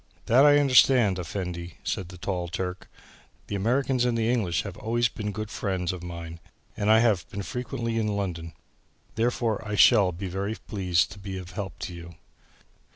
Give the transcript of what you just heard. "That I understand, Effendi," said the tall Turk; "the Americans and the English have always been good friends of mine and I have been frequently in London. Therefore, I shall be very pleased to be of any help to you."